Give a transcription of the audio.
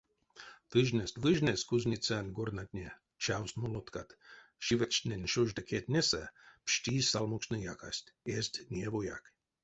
Тыжнэсть-выжнэсть кузницянь горнатне, чавсть молоткат, шивечтнень шожда кедтнесэ пшти салмукстнэ якасть — эзть неявояк.